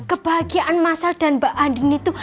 kebahagiaan mas hal dan mbak andin itu